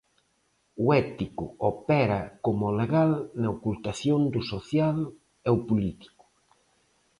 O ético opera coma o legal na ocultación do social e o político.